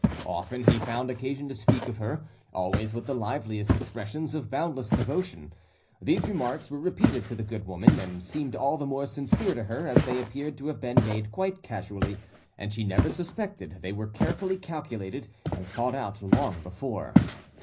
Often he found occasion to speak of her, always with the liveliest expressions of boundless devotion. These remarks were repeated to the good woman, and seemed all the more sincere to her as they appeared to have been made quite casually, and she never suspected they were carefully calculated and thought out long before.